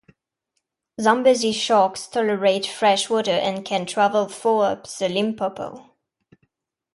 Zambezi sharks tolerate fresh water and can travel far up the Limpopo.